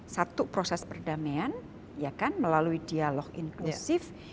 satu proses perdamaian ya kan melalui dialog inklusif